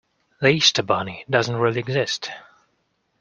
The Easter Bunny doesn’t really exist.